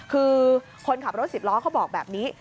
คือคนขับรถสิบล้อเขาบอกแบบนี้